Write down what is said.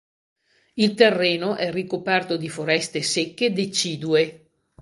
Il terreno è ricoperto di foreste secche decidue.